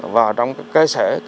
vào trong cơ sở